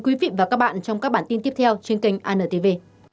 quý vị và các bạn trong các bản tin tiếp theo trên kênh antv